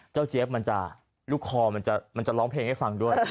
เจี๊ยบมันจะลูกคอมันจะร้องเพลงให้ฟังด้วย